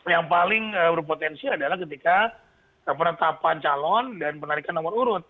yang paling berpotensi adalah ketika penetapan calon dan penarikan nomor urut